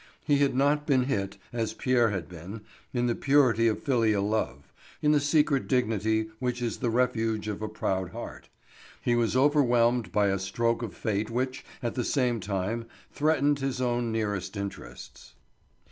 He had not been hit, as Pierre had been, in the purity of filial love, in the secret dignity which is the refuge of a proud heart; he was overwhelmed by a stroke of fate which, at the same time, threatened his own nearest interests.